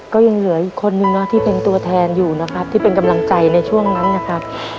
ก็ยังเหลืออีกคนนึงนะที่เป็นตัวแทนอยู่นะครับที่เป็นกำลังใจในช่วงนั้นนะครับ